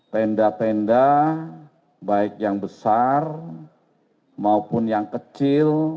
tenda tenda baik yang besar maupun yang kecil